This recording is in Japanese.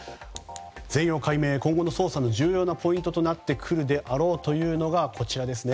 全容解明、今後の捜査の重要なポイントになってくるであろうというものがこちらですね。